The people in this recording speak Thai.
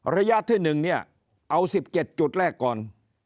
ระยะที่๑เนี่ยเอา๑๗จุดแรกก่อน